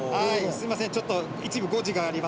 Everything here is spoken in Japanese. すみません